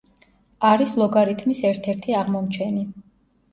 არის ლოგარითმის ერთ-ერთი აღმომჩენი.